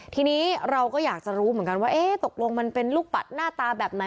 ทีนี้เราก็อยากจะรู้เหมือนกันว่าเอ๊ะตกลงมันเป็นลูกปัดหน้าตาแบบไหน